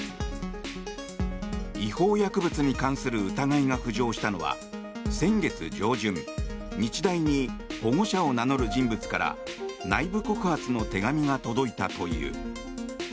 違法薬物に関する疑いが浮上したのは先月上旬、日大に保護者を名乗る人物から内部告発の手紙が届いたという。